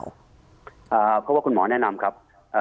เพราะว่าคุณหมอแนะนำครับ